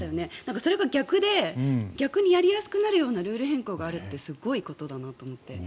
それが逆でやりやすくなるルール変更があるってすごいことだなと思って。